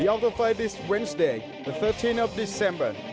ออกเตอร์ไฟค์วันพุทธวัน๑๓เดือน